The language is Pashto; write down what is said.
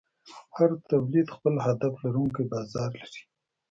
هر تولید خپل هدف لرونکی بازار لري.